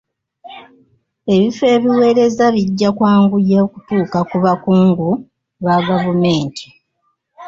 Ebifo ebiweereza bijja kwanguya okutuuka ku bakungu ba gavumenti.